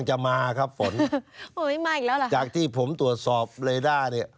จากที่ผมตรวจสอบเรด้า